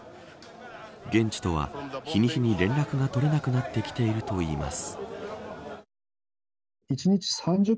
現地とは、日に日に連絡が取れなくなってきているといいます。